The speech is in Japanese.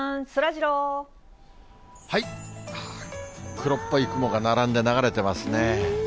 黒っぽい雲が並んで流れてますね。